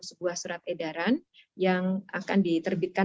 sebuah surat edaran yang akan diterbitkan